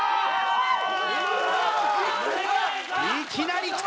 いきなりきた！